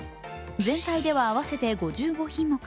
全体では合わせて５５品目